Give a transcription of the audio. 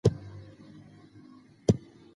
واقعيت بايد پټ نه کړل شي.